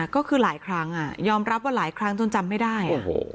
ก็คือหลายครั้งยอมรับว่าหลายครั้งจนจำไม่ได้